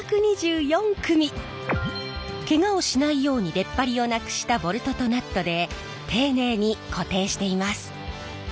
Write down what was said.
ケガをしないように出っ張りをなくしたボルトとナットで丁寧に固定しています。